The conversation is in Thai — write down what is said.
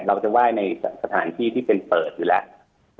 เราจะไหว้ในสถานที่ที่เป็นเปิดอยู่แล้ว